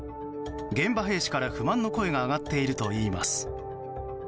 現場兵士から不満の声が上がっているといいます。